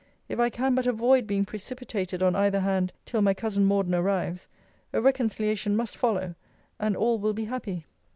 If I can but avoid being precipitated on either hand, till my cousin Morden arrives, a reconciliation must follow; and all will be happy.